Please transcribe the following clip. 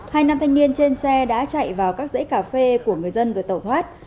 hai nam thanh niên trên xe đã chạy vào các dãy cà phê của người dân rồi tẩu thoát